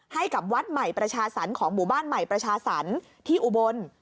ให้กับวัดใหม่ประชาสรรค์ของหมู่บ้านใหม่ประชาสรรค์ที่อุบล